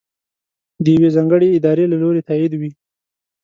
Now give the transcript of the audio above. د یوې ځانګړې ادارې له لورې تائید وي.